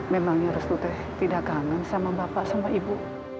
memangnya restu teh tidak kangen sama bapak sama ibu